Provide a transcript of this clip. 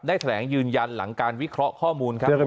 แถลงยืนยันหลังการวิเคราะห์ข้อมูลครับ